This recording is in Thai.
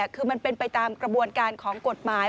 คือมันเป็นไปตามกระบวนการของกฎหมาย